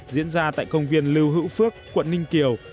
diễn ra tại công viên lưu hữu phước quận ninh kiều